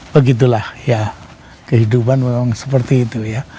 begitulah ya kehidupan memang seperti itu ya